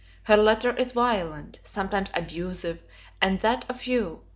Her letter is violent, sometimes abusive, and that of you!